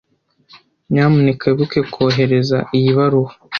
Nyamuneka wibuke kohereza iyi baruwa.